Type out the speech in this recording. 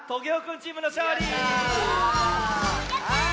やった！